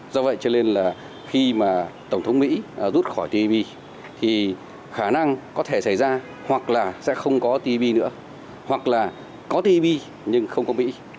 do vậy cho nên là khi mà tổng thống mỹ rút khỏi tv thì khả năng có thể xảy ra hoặc là sẽ không có tv nữa hoặc là có tv nhưng không có mỹ